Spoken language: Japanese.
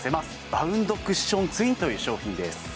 バウンドクッションツインという商品です